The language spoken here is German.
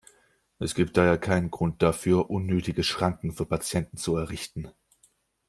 Es gibt daher keinen Grund dafür, unnötige Schranken für Patienten zu errichten.